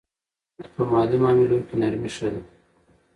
په مالي معاملو کې نرمي ښه ده.